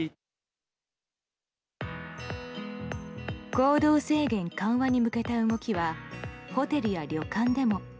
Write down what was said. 行動制限緩和に向けた動きはホテルや旅館でも。